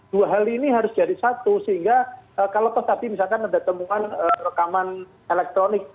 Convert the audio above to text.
dua hal ini harus jadi satu sehingga kalau toh tadi misalkan ada temuan rekaman elektronik